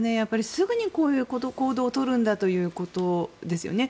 すぐにこういう行動をとるんだということですよね。